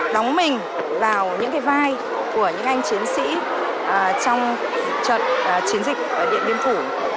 đóng mình vào những cái vai của những anh chiến sĩ trong trận chiến dịch điện biên phủ